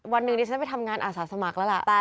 วันหนึ่งดิฉันไปทำงานอาสาสมัครแล้วล่ะ